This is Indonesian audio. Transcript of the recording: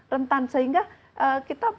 rentan sehingga kita